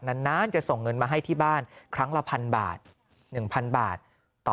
นานจะส่งเงินมาให้ที่บ้านครั้งละพันบาท๑๐๐บาทต่อ